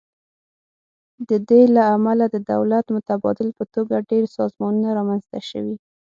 د دې له امله د دولت متبادل په توګه ډیر سازمانونه رامینځ ته شوي.